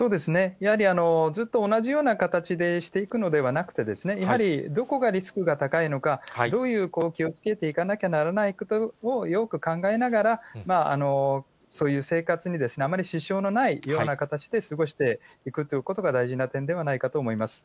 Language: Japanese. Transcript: やはりずっと同じような形でしていくのではなくて、やはり、どこがリスクが高いのか、どういう、気をつけていかなきゃならないのかをよく考えながら、そういう生活にあまり支障のないような形で過ごしていくということが大事な点ではないかと思います。